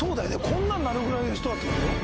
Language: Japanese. こんなんなるぐらいの人だってこと？